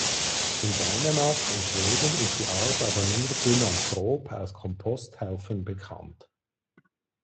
In Dänemark und Schweden ist die Art aber nur synanthrop aus Komposthaufen bekannt.